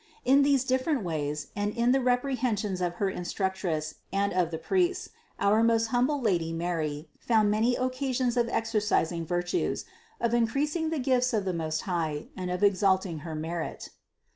In these different ways and in the reprehensions of her instructress and of the priests our most humble Lady Mary found many occasions of exercising virtues, of increasing the gifts of the Most High, and of exalting Her merit.